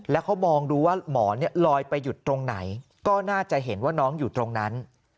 แล้วเขามองดูว่าหมอลอยไปหยุดตรงไหนก็น่าจะเห็นว่าน้องอยู่ตรงนั้น